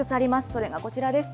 それがこちらです。